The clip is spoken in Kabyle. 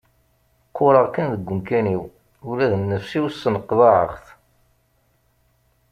Qqureɣ kan deg umkan-iw ula d nnefs-iw sneqḍaɛeɣ-t.